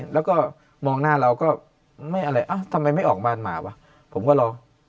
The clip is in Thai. แล้วก็มองหน้าเราก็ไม่อะไรเอ้าทำไมไม่ออกบ้านมาวะผมก็รอ